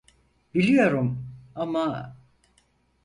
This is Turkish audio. Biliyorum, ama…